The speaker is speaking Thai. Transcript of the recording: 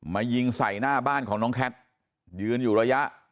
ยิงใส่หน้าบ้านของน้องแคทยืนอยู่ระยะ